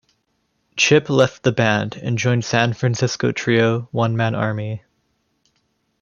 Chip left the band and joined San Francisco trio One Man Army.